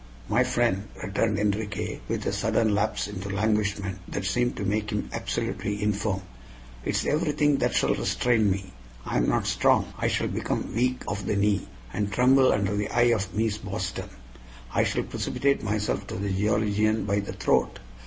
"My friend," returned Enriquez, with a sudden lapse into languishment that seemed to make him absolutely infirm, "it is everything that shall restrain me. I am not strong. I shall become weak of the knee and tremble under the eye of Mees Boston. I shall precipitate myself to the geologian by the throat.